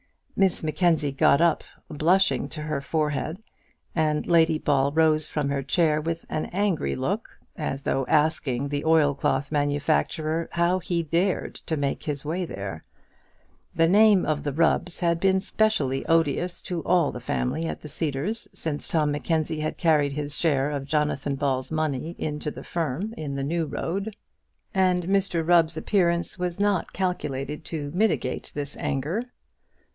Miss Mackenzie got up, blushing to her forehead, and Lady Ball rose from her chair with an angry look, as though asking the oilcloth manufacturer how he dared to make his way in there. The name of the Rubbs had been specially odious to all the family at the Cedars since Tom Mackenzie had carried his share of Jonathan Ball's money into the firm in the New Road. And Mr Rubb's appearance was not calculated to mitigate this anger.